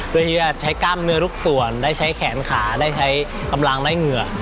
เพื่อที่จะใช้กล้ามเนื้อทุกส่วนได้ใช้แขนขาได้ใช้กำลังได้เหงื่อ